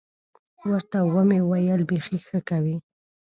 ورته ومې ویل بيخي ښه کوې.